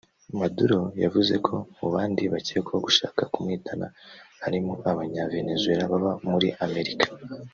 Maduro yavuze ko mu bandi bakekwaho gushaka kumuhitana harimo abanya-Venezuela baba muri Amerika